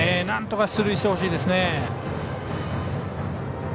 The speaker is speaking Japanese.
なんとか出塁してほしいですね。